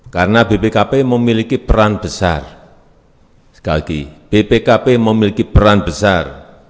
karena bpkp memiliki peran besar sekali lagi bpkp memiliki peran besar